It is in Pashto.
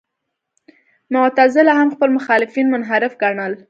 معتزله هم خپل مخالفان منحرف ګڼل.